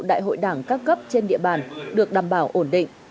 đại hội đảng các cấp trên địa bàn được đảm bảo ổn định